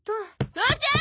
父ちゃん！